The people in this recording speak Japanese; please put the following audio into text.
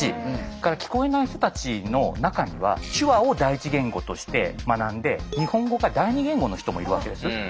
それから聞こえない人たちの中には手話を第一言語として学んで日本語が第二言語の人もいるわけです。